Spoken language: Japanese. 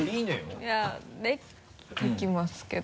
いやできますけど。